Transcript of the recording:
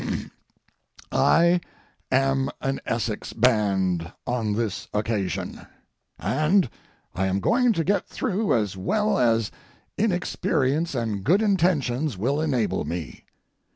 I am an Essex band on this occasion, and I am going to get through as well as inexperience and good intentions will enable me.